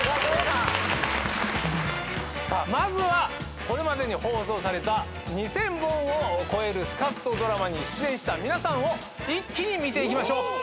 まずはこれまでに放送された２，０００本を超えるスカッとドラマに出演した皆さんを一気に見ていきましょう。